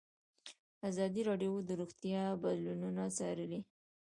ازادي راډیو د روغتیا بدلونونه څارلي.